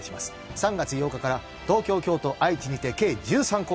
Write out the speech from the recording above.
３月８日から東京京都愛知にて計１３公演。